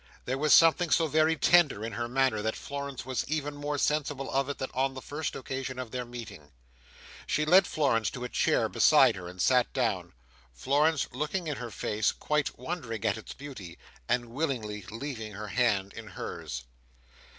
There was something so very tender in her manner, that Florence was even more sensible of it than on the first occasion of their meeting. She led Florence to a chair beside her, and sat down: Florence looking in her face, quite wondering at its beauty, and willingly leaving her hand in hers.